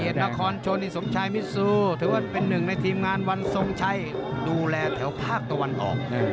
นครชนนี่สมชายมิซูถือว่าเป็นหนึ่งในทีมงานวันทรงชัยดูแลแถวภาคตะวันออก